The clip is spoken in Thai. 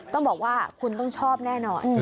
ต้องบอกว่าคุณต้องชอบแน่นอน